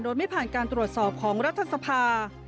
โดยไม่ผ่านการตรวจสอบของรัฐสภา